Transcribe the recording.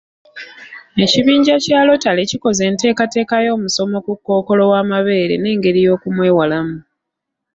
Ekibinja kya lotale kikoze enteekateeka y'omusomo ku kkookolo w'amabeere n'engeri y'okumwewalamu.